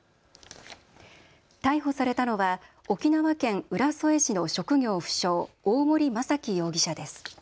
逮捕されたのは沖縄県浦添市の職業不詳、大森正樹容疑者です。